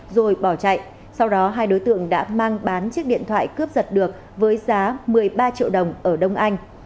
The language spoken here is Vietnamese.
rồi bỏ chạy sau đó hai đối tượng đã mang bán chiếc điện thoại cướp giật được với giá một mươi ba triệu đồng ở đông anh